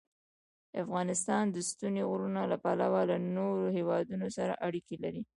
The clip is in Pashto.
افغانستان د ستوني غرونه له پلوه له نورو هېوادونو سره اړیکې لري.